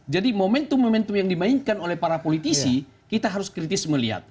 jadi momentum momentum yang dimainkan oleh para politisi kita harus kritis melihat